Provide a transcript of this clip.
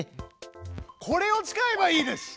これを使えばいいです！